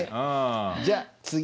じゃあ次。